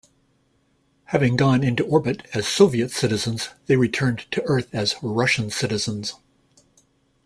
Having gone into orbit as Soviet citizens, they returned to Earth as Russian citizens.